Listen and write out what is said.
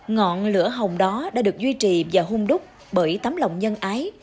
ngọn lửa hồng đó đã được duy trì và hung đúc bởi tấm lòng nhân ái